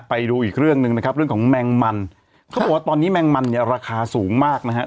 ไปดูอีกเรื่องหนึ่งนะครับเรื่องของแมงมันเขาบอกว่าตอนนี้แมงมันเนี่ยราคาสูงมากนะฮะ